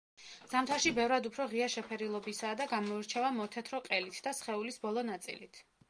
ზამთარში ბევრად უფრო ღია შეფერილობისაა და გამოირჩევა მოთეთრო ყელით და სხეულის ბოლო ნაწილით.